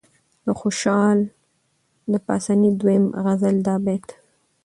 د خوشال د پاسني دويم غزل دا بيت